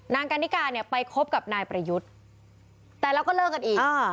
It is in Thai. นางกันนิกาเนี่ยไปคบกับนายประยุทธ์แต่แล้วก็เลิกกันอีก